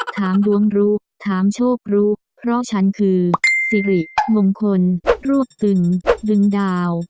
ถามดวงรู้ถามโชครู้เพราะฉันคือสิริมงคลรวบตึงดึงดาว